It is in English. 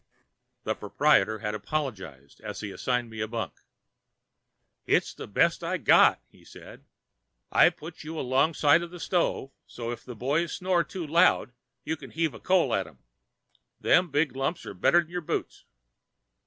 The proprietor had apologized as he assigned me a bunk. "It's the best I've got," said he. "I've put you alongside of the stove, so if the boys snore too loud you can heave coal on 'em. Them big lumps is better than your boots."